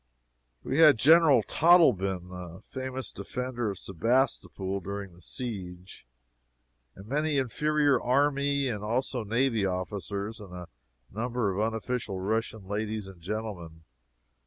We had General Todtleben (the famous defender of Sebastopol, during the siege,) and many inferior army and also navy officers, and a number of unofficial Russian ladies and gentlemen.